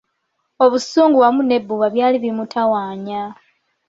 Obusungu wamu n'ebbuba byali bimutawaanya.